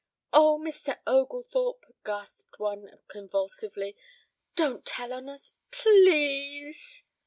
"Oh, Mr. Oglethorpe," gasped one convulsively. "Don't tell on us, p l e a s e."